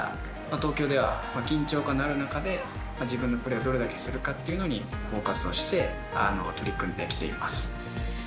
東京では、緊張感のある中で自分のプレーをどれだけするかっていうのにフォーカスをして取り組んできています。